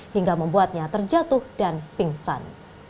hingga membuatnya terjatuh dan pingsan